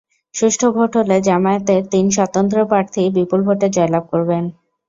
সুষ্ঠু ভোট হলে জামায়াতের তিন স্বতন্ত্র প্রার্থী বিপুল ভোটে জয়লাভ করবেন।